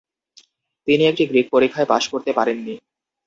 তিনি একটি গ্রিক পরীক্ষায় পাশ করতে পারেননি।